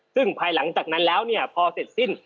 ซึ่งภายหลังจากนั้นแล้วเนี่ยพอเสร็จสิ้น